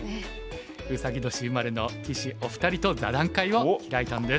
ウサギ年生まれの棋士お二人と座談会を開いたんです。